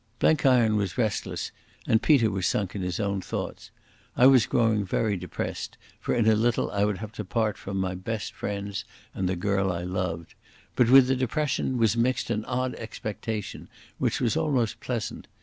Blenkiron was restless, and Peter was sunk in his own thoughts. I was growing very depressed, for in a little I would have to part from my best friends and the girl I loved. But with the depression was mixed an odd expectation, which was almost pleasant.